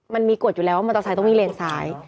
มันมีกฎอยู่แล้วว่ามอเตอร์ไซค์ต้องวิ่งเลนซ้าย